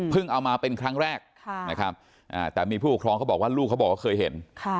เพิ่งเอามาเป็นครั้งแรกแต่มีผู้หุ้คล้องเขาบอกว่าลูกเคยเห็น